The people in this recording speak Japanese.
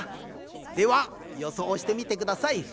ではよそうしてみてください。